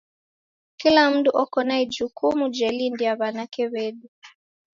Kila mndu oko na ijukumu jelindia w'anake w'edu.